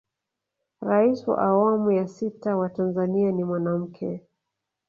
rais wa awamu ya sita wa tanzania ni mwanamke